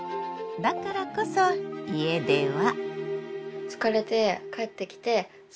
だからこそ家では。